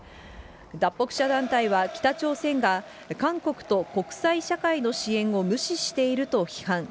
脱北者団体は北朝鮮が韓国と国際社会の支援を無視していると批判。